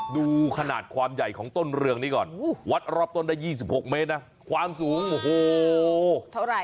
ดูขนาดความใหญ่ของต้นเรืองนี้ก่อนวัดรอบต้นได้๒๖เมตรนะความสูงโอ้โหเท่าไหร่